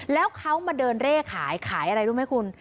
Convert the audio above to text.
แล้วเขามาเดินเร่ขายขายอะไรรู้ไหมคุณ